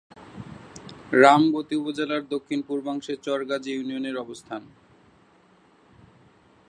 রামগতি উপজেলার দক্ষিণ-পূর্বাংশে চর গাজী ইউনিয়নের অবস্থান।